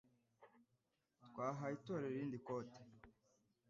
Twahaye itorero irindi kote.